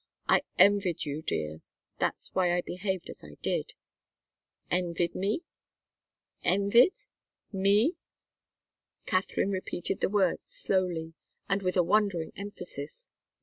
"I envied you, dear. That's why I behaved as I did." "Envied me? Envied me?" Katharine repeated the words slowly and with a wondering emphasis.